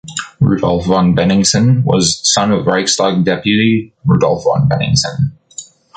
Rudolf von Bennigsen was a son of the Reichstag deputy Rudolf von Bennigsen.